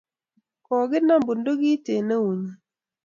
kokinam bundukit eng' eunyin